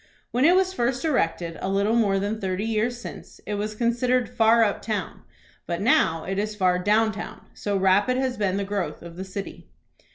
When it was first erected, a little more than thirty years since, it was considered far up town, but now it is far down town, so rapid has been the growth of the city.